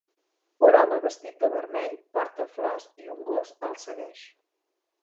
Un home vestit de vermell porta flors i un gos el segueix.